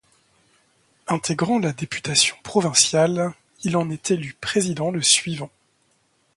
Intégrant la députation provinciale, il en est élu président le suivant.